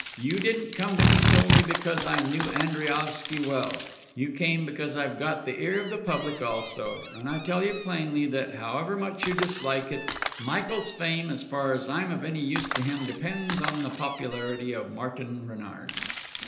You didn't come to me solely because I knew Andriaovsky well; you came because I've got the ear of the public also; and I tell you plainly that, however much you dislike it, Michael's fame as far as I'm of any use to him, depends on the popularity of _Martin Renard."